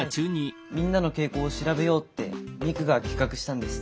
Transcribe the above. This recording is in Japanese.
みんなの傾向を調べようってミクが企画したんです。